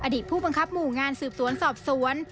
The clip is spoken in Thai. ผู้บังคับหมู่งานสืบสวนสอบสวน